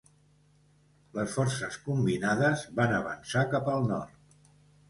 Les forces combinades van avançar cap al nord.